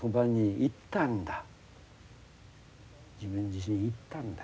自分自身行ったんだ。